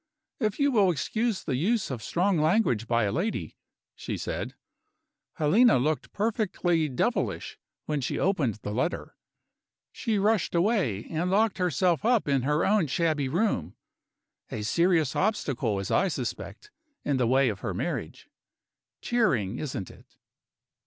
"If you will excuse the use of strong language by a lady," she said, "Helena looked perfectly devilish when she opened the letter. She rushed away, and locked herself up in her own shabby room. A serious obstacle, as I suspect, in the way of her marriage. Cheering, isn't it?"